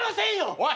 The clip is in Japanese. おい！